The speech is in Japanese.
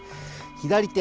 左手。